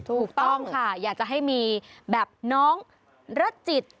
ถูกต้องค่ะอยากจะให้มีแบบน้องรัดจิต